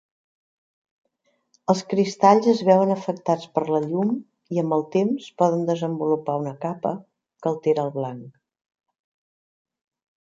Els cristalls es veuen afectats per la llum i amb el temps poden desenvolupar una capa que altera el blanc.